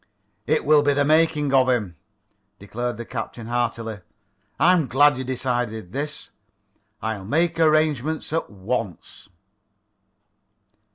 "It will be the making of him," declared the captain heartily. "I'm glad you decided this. I'll make arrangements at once."